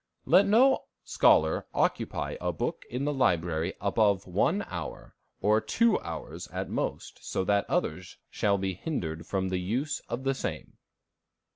"Let no scholar occupy a book in the library above one hour, or two hours at most, so that others shall be hindered from the use of the same."